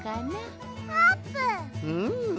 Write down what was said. うん。